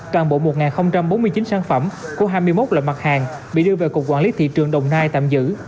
toàn bộ một bốn mươi chín sản phẩm của hai mươi một loại mặt hàng bị đưa về cục quản lý thị trường đồng nai tạm giữ